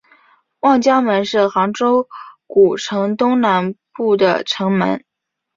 望江门是杭州古城东南部的城门。